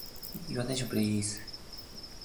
Your attention, please.